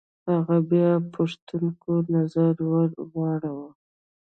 هغه بيا پوښتونکی نظر ور واړوه.